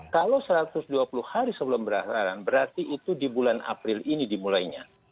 kalau satu ratus dua puluh hari sebelum berakhiran berarti itu di bulan april ini dimulainya